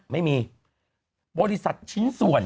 ไม่มีบริษัทชิ้นส่วน